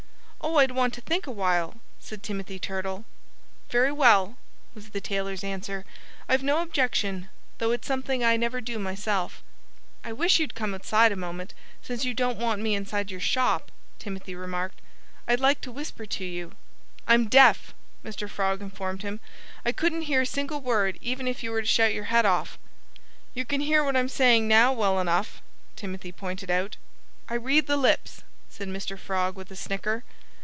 "Oh, I'd want to think a while," said Timothy Turtle. "Very well!" was the tailor's answer. "I've no objection, though it's something I never do myself." "I wish you'd come outside a moment, since you don't want me inside your shop," Timothy remarked. "I'd like to whisper to you." "I'm deaf," Mr. Frog informed him. "I couldn't hear a single word, even if you were to shout your head off." "You can hear what I'm saying now well enough," Timothy pointed out. "I read the lips," said Mr. Frog with a snicker.